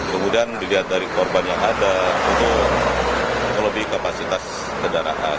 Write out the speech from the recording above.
kemudian dilihat dari korban yang ada itu melebihi kapasitas kendaraan